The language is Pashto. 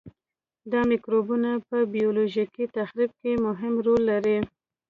دا مکروبونه په بیولوژیکي تخریب کې مهم رول لري.